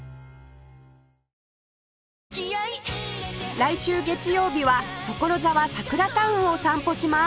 来週月曜日はところざわサクラタウンを散歩します